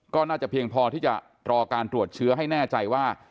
ก็น่าจะเพียงพอที่จะรอการตรวจเชื้อให้แน่ใจว่า